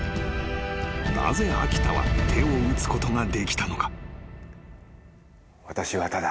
［なぜ秋田は手を打つことができたのか？］